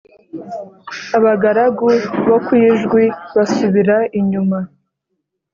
abagaragu bo kwijwi basubira inyuma